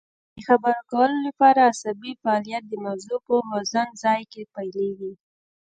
د خبرو کولو لپاره عصبي فعالیت د مغزو په خوځند ځای کې پیلیږي